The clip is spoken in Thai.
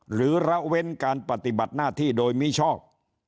หรือระเว้นการปฏิบัติหน้าที่โดยมิชอบ